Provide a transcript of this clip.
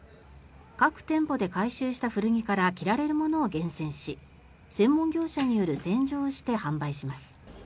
各店舗で回収した古着から着られるものを厳選し専門業者による洗浄をして販売します。